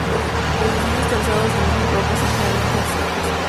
Los diseños trazados en estas rocas son generalmente abstractos.